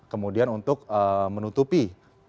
kemudian untuk menutupi